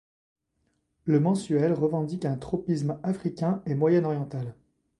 Le mensuel revendique un tropisme africain et moyen-oriental.